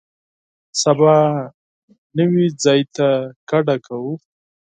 سبا نوي ځای ته کډه کوو.